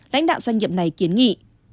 lãnh đạo doanh nghiệp này kiến nghị